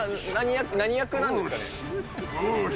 何役なんですかね。